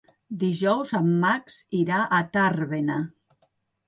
Dijous en Max irà a Tàrbena.